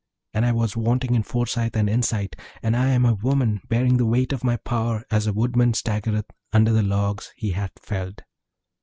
and I was wanting in foresight and insight! and I am a woman bearing the weight of my power as a woodman staggereth under the logs he hath felled!'